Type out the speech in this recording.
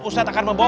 ustadz akan membawa